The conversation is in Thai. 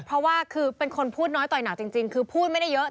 เพราะว่าคือเป็นคนพูดน้อยต่อยหนักจริงคือพูดไม่ได้เยอะ